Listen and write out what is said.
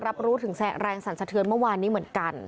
รับรู้ถึงแรงสรรสะเทือนเมื่อวานนี้เหมือนกัน